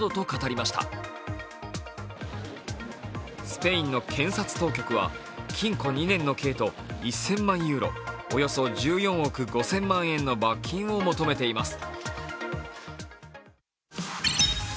スペインの検察当局は禁錮２年の刑と１０００万ユーロ、およそ１４億５０００万円の罰金を求めています。